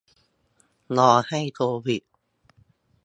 รอให้โควิด